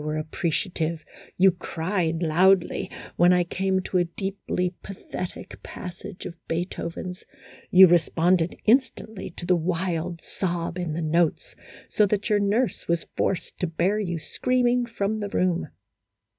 13 were appreciative, you cried loudly when I came to a deeply pathetic passage of Beethoven's, you responded instantly to the wild sob in the notes, so that your nurse was forced to bear you screaming from the room."